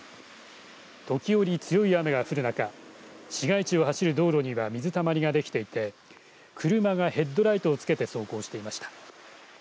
時折、強い雨が降る中市街地を走る道路には水たまりができていて車がヘッドライトをつけて走行していました。